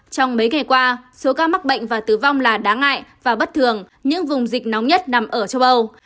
trong mấy ngày qua số ca mắc bệnh và tử vong là đáng ngại và bất thường những vùng dịch nóng nhất nằm ở châu âu